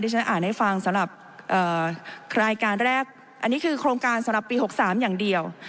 ฉันอ่านให้ฟังสำหรับรายการแรกอันนี้คือโครงการสำหรับปี๖๓อย่างเดียว